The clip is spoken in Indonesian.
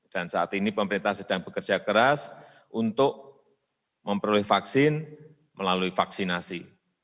dan saat ini pemerintah sedang bekerja keras untuk memperoleh vaksin melalui vaksinasi